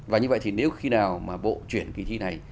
và như vậy thì nếu khi nào mà bộ chuyển kỳ thi này